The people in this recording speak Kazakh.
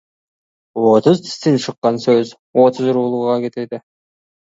Отыз тістен шыққан сөз отыз руға кетеді.